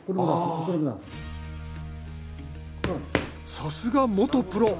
さすが元プロ！